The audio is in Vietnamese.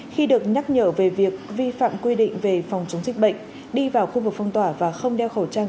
khi được nhắc nhở về việc vi phạm quy định về phòng chống dịch bệnh đi vào khu vực phong tỏa và không đeo khẩu trang